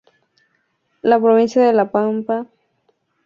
La provincia de La Pampa no faculta a sus municipios a dictar cartas orgánicas.